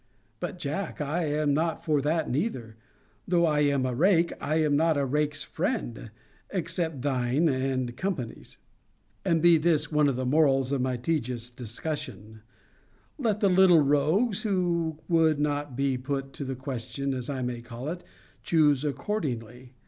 But, Jack, I am not for that neither. Though I am a rake, I am not a rake's friend; except thine and company's. And be this one of the morals of my tedious discussion 'Let the little rogues who would not be put to the question, as I may call it, choose accordingly.